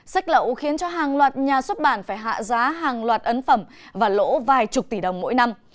sách lậu khiến cho hàng loạt nhà xuất bản phải hạ giá hàng loạt ấn phẩm và lỗ vài chục tỷ đồng mỗi năm